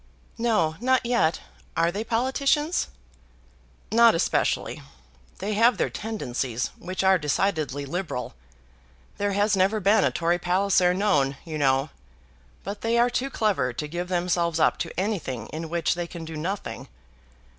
"No; not yet. Are they politicians?" "Not especially. They have their tendencies, which are decidedly liberal. There has never been a Tory Palliser known, you know. But they are too clever to give themselves up to anything in which they can do nothing.